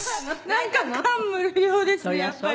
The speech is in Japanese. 「なんか感無量ですねやっぱり」